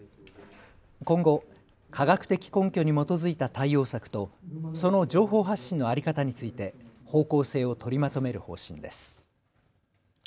今後、科学的根拠に基づいた対応策とその情報発信の在り方について方向性を取りまとめる方針です。